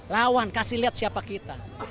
lawan kasih lihat siapa kita